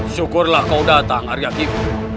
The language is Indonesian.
syukurlah kau datang arya kip